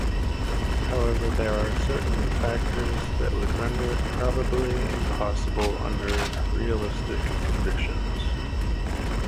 However, there are certain factors that would render it probably impossible under realistic conditions.